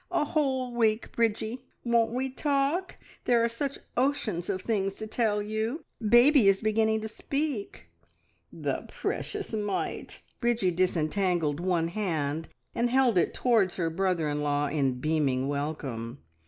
A whole week, Bridgie! Won't we talk! There are such oceans of things to tell you. Baby is beginning to speak!" "The precious mite!" Bridgie disentangled one hand and held it towards her brother in law in beaming welcome.